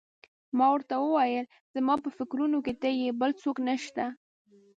ما ورته وویل: زما په فکرونو کې ته یې، بل څوک نه شته.